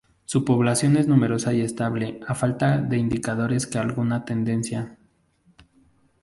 Su población es numerosa y estable a falta de indicadores que alguna tendencia.